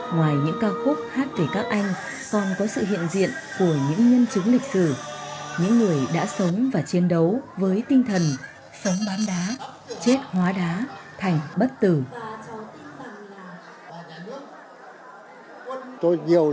ngoài những ca khúc hát về các anh còn có sự hiện diện của những nhân chứng lịch sử những người đã sống và chiến đấu với tinh thần sống bán đá chết hóa đá thành bất tử